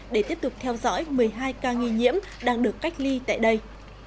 để tiếp tục theo dõi một mươi hai ca nghi nhiễm đang được cách ly tại đây